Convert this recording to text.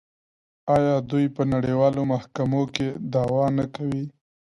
آیا دوی په نړیوالو محکمو کې دعوا نه کوي؟